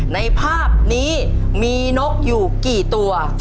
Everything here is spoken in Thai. ในภาพนี้มีนกอยู่กี่ตัว